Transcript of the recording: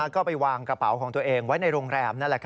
ก็ไปวางกระเป๋าของตัวเองไว้ในรงแรม